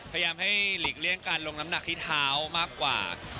พยายามให้หลีกเลี่ยงการลงน้ำหนักที่เท้ามากกว่า